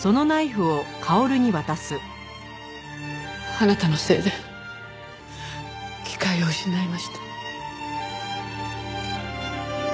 あなたのせいで機会を失いました。